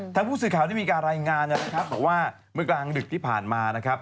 ผู้สื่อข่าวได้มีการรายงานนะครับบอกว่าเมื่อกลางดึกที่ผ่านมานะครับ